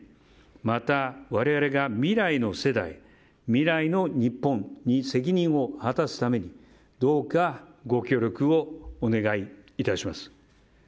また、我々が未来の世代未来の日本に責任を果たすためにどうか、ご協力をお願いいたします。